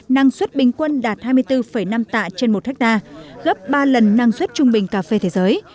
năng suất bình quân đạt hai mươi bốn năm tạ trên một hectare gấp ba lần năng suất trung bình cà phê thế giới